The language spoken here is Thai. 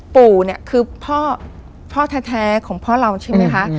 ปู่เนี่ยคือพ่อแท้ของพ่อเราใช่ไหมคะ